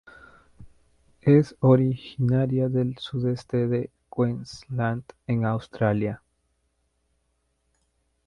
Es originaria del sudeste de Queensland en Australia.